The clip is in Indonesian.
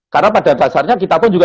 karena pada dasarnya kita pun juga